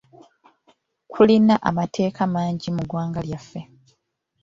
Kulina amateeka mangi mu ggwanga lyaffe.